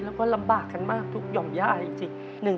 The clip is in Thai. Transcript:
แล้วก็ลำบากกันมากทุกหย่อมย่าจริง